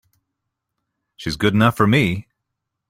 She's good enough for me!